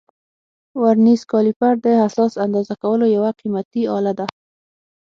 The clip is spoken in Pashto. ورنیز کالیپر د حساس اندازه کولو یو قیمتي آله ده.